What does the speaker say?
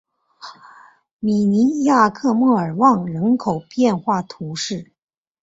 米尼亚克莫尔旺人口变化图示